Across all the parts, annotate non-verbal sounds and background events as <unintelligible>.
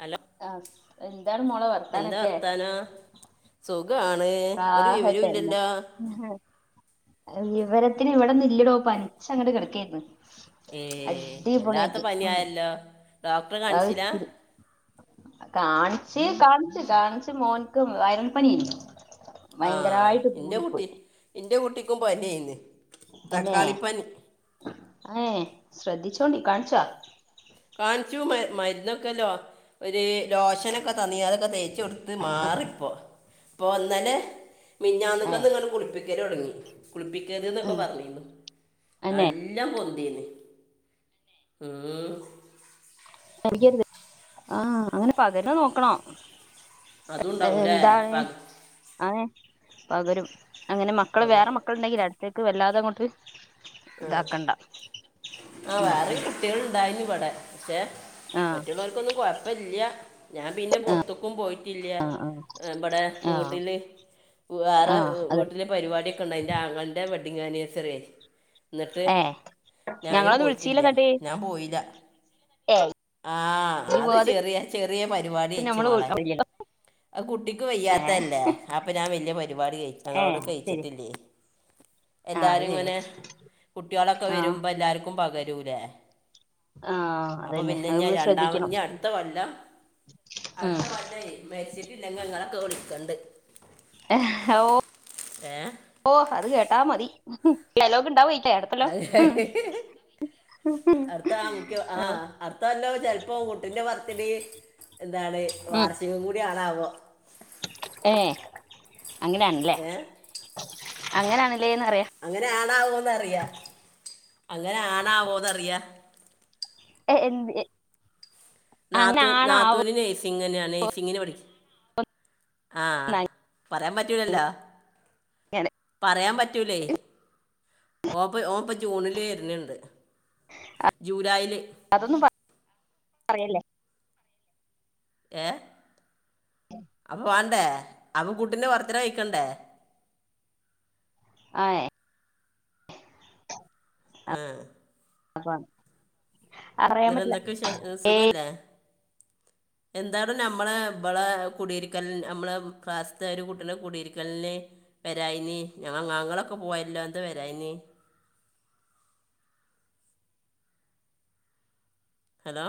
Hello ആ എന്താണ് മോളെ എന്താ വർത്താനൊക്കെ വർത്താനോ സുഖാണ് ഒരു ആ വിവരവും തന്നെ ഇല്ലല്ലോ വിവരത്തിന് ഇവിടെന്ന് ഇല്ലടോ പനിച്ചാങ്ങണ്ട് കിടക്കായിരുന്നു ഏ വല്ലാത്ത അടിപൊളിയായിട്ട് ഉം പനിയായല്ലോ ഡോക്ടറെ അത് കാണിച്ചില്ല ഇത്തിരി കാണിച്ചു കാണിച്ചു കാണിച്ചു മോന്ക്ക് വൈറൽ പനിയെ നി ആ എന്റെ കുട്ടി എന്റെ കുട്ടി ക്കും പനിയേനി തക്കാളിപ്പനി ഏ ശ്രദ്ധിച്ചോണ്ടി കാണിച്ചാ കാണിച്ചു മരുന്നൊക്കെ ഒരു ലോഷനൊക്കെ തന്നിരുന്നു ഒക്കെ തേച്ചടുത്ത് മാറിപ്പോ ഇപ്പോൾ ഇന്നലെ മിഞ്ഞാന്ന് ങ്ങന്ന് ഏഹ് ക്കട്ട് കുളിപ്പി ക്കൽ തുടങ്ങി കുളിപ്പിക്കരുത് ആഹ് ന്നൊക്കെപറഞ്ഞിരുന്നു അന്നെ നല്ലോം പൊ ന്തിനി ഉം <unintelligible> ആ അങ്ങനെ പകരുന്നത് നോക്കണോ അതുണ്ടാവൂലേ എന്താണ് പക ആ പകരും അങ്ങനെ മക്കള് പക വേറെ മക്കള ഉണ്ടെങ്കില് അടുത്തേക്ക് വല്ലാതെ അങ്ങോട്ട് ആ ഇതാക്കണ്ട ആ ഉം വേറെ ഉം കുട്ടികൾ ഇണ്ടായിന് ഇവിടെ പക്ഷേ ആഹ് മറ്റുള്ളവർക്കൊന്നും കൊഴപ്പ ഇല്ല ഞാൻ പിന്നെ പൊറത്ത്ക്കും പോയിട്ടില്ല ആഹ് ആഹ് ബടെ ആഹ് വീട്ടില് വേറെ ആഹ് അതെ വീട്ടില് പരിപാടിയൊക്കെണ്ടായി നി ആങ്ങളന്റെ വെ <unintelligible> എന്നിട്ട് ഏഹ് ഞാനും ഞങ്ങളൊന്നും പോയിട്ടില്ല വിളിച്ചീല്ലന്നട്ട് ഞാൻ പോയില്ല ഏയ് ആഹ് ഇയ്യ് അത് പോവാതെ ചെറിയാ ചെറിയ പരിപാടി വെച്ചു നമ്മള് ബിച്ച്മളെ കുട്ടിക്ക് ഏഹ് വയ്യാത്തല്ലേ അപ്പൊ ഞാൻ വല്ല്യ പരിപാടി ഏഹ് ഞങ്ങളവിടെ ശരി കഴിച്ചിട്ടില്ല ആഹ് എല്ലാരും അത് ശരിയാ ഇങ്ങനെ കുട്ടികളൊക്കെ വരുമ്പോ എല്ലാർക്കും പകരൂലേ ആ പ്പൊ പിന്നെ ഇഞ്ഞ് രണ്ടാമ ഇഞ്ഞടുത്ത കൊല്ലം ഉം അടുത്ത കൊല്ലെയ് മരിച്ചിട്ടില്ലെങ്ങങ്ങളെ ക്കെ വിളികണ്ട്. ഏ ഓ ഏ ഓ അത് കേട്ടാ മതി ലോക് ണ്ടാവെയ് അത് <unintelligible> അട്ത്തൊ ൻകോ ആ അട്ത്തൊല്ലോ ചെലപ്പോ കുട്ടിന്റെ മർത്തിടീം എന്താണ് വാർഷി ങ്ങകും കൂടിയാണാവോ? ഏ അങ്ങനാണ്ല്ലേ? ഏ അങ്ങനാണ് അങ്ങനെ ആണാവോന്നറിയ അങ്ങനെ ആണാവോന്നറിയാ. ഏ എന്ത് എ നാത്തൂൻ നാത്തൂന് നഴ്സിങ്ങിനാ നഴ്സിങ്ങിന് പഠിക്ക. ആ പറയാൻ പറ്റൂലല്ലോ പറയാൻ പറ്റൂലേയ്. ഓപ്പ ഓപ്പൊ ജൂണില് വരുന്ന്ണ്ട്. ജൂലായില്. അതൊന്നും പറയല്ലേ ഏ അപ്പ വാണ്ടേ അവ കൂട്ടിന്റെ ബർത്തിട കയിക്കണ്ടേ? അ ഏ ആ അപ്പ ന്നടെന്തൊക്കെ വിശേഷം സുഖല്ലേ? എന്താണ് നമ്മളെ ബളെ കുടയിരിക്കൽ നമ്മളെ ക്ലാസ്ത്തെ ഒരു കുട്ടിനെ കുടിയിരിക്കൽന് വരായിനീ ഞ ങ്ങ ങ്ങളൊക്കെ പോയല്ലോ എന്താ വരായിനീ? ഹലോ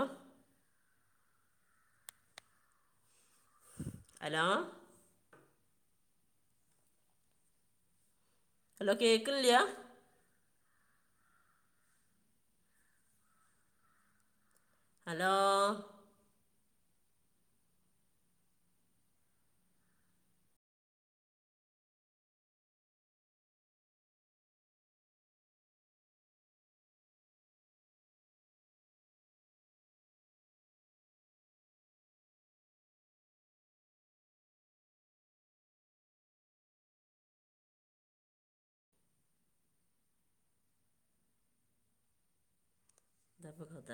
ഹലോ ഹലോ കേക്കിൻല്ലാ? ഹലോ ന്താ പ്പക്കഥ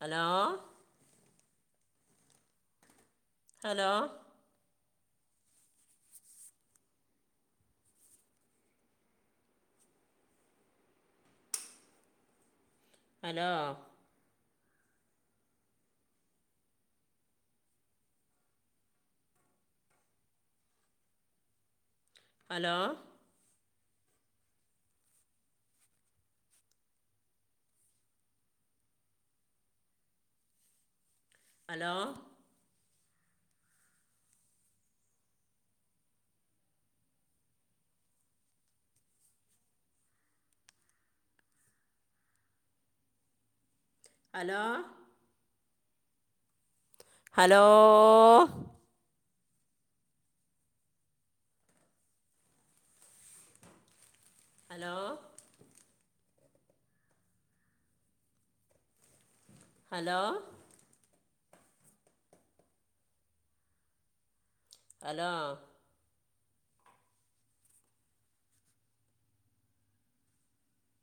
hello hello hello hello hello hello hello hello hello hello